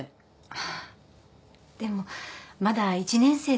あっでもまだ１年生ですし。